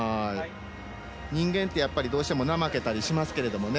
人間って、どうしても怠けたりしますけどね